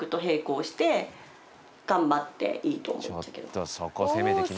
ちょっとそこ攻めてきます？